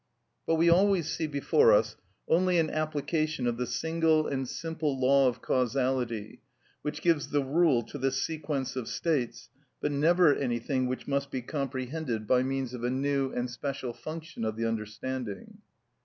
But we always see before us only an application of the single and simple law of causality which gives the rule to the sequence of states, but never anything which must be comprehended by means of a new and special function of the understanding.